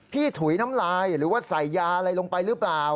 ถุยน้ำลายหรือว่าใส่ยาอะไรลงไปหรือเปล่า